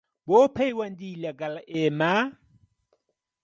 بۆ پەیوەندی لەگەڵ ئێمە